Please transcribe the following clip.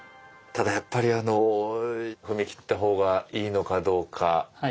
ただやっぱりあの踏み切った方がいいのかどうか。